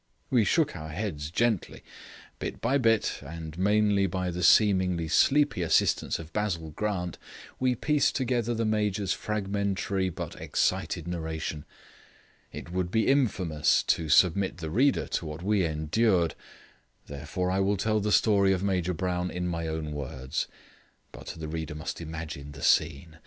We shook our heads gently. Bit by bit, and mainly by the seemingly sleepy assistance of Basil Grant, we pieced together the Major's fragmentary, but excited narration. It would be infamous to submit the reader to what we endured; therefore I will tell the story of Major Brown in my own words. But the reader must imagine the scene.